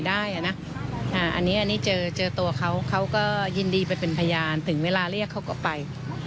อันนี้เจอเจอตัวเขาเขาก็ยินดีไปเป็นพยานถึงเวลาเรียกเขาก็ไป